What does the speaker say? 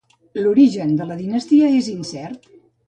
L'origen de la dinastia és incert.